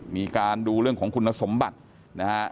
มีการดูเรื่องของคุณสมบัตินะฮะ